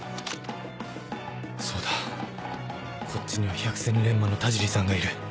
そうだこっちには百戦錬磨の田尻さんがいる